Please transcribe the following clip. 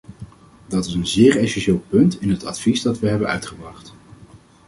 Dat is een zeer essentieel punt in het advies dat we hebben uitgebracht.